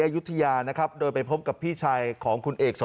อายุทยานะครับโดยไปพบกับพี่ชายของคุณเอก